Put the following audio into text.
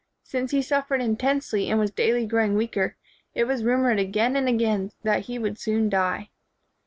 Since he suffered intensely and was daily growing weaker, it was rumored again and again that he would soon die.